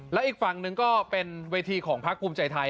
และอีกฝั่งหนึ่งก็เป็นเวทีของพักภูมิใจไทย